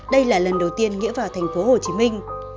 đây là lần đầu tiên nghĩa vào thành phố hồ chí minh